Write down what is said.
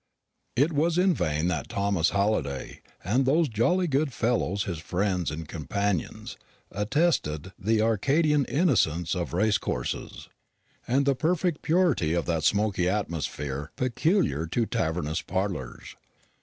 It was in vain that Thomas Halliday and those jolly good fellows his friends and companions attested the Arcadian innocence of racecourses, and the perfect purity of that smoky atmosphere peculiar to tavern parlours.